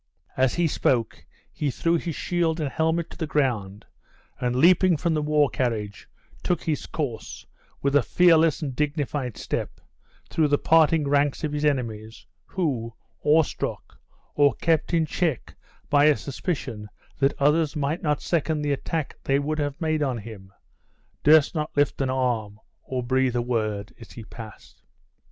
As he spoke, he threw his shield and helmet to the ground, and leaping from the war carriage, took his course, with a fearless and dignified step, through the parting ranks of his enemies, who, awe struck, or kept in check by a suspicion that others might not second the attack they would have made on him, durst not lift an arm or breathe a word as he passed.